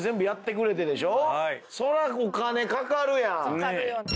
かかるよね。